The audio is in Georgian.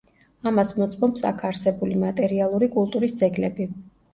ამას მოწმობს აქ არსებული მატერიალური კულტურის ძეგლები.